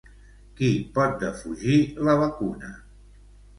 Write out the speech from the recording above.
Qui pot defugir la vacuna?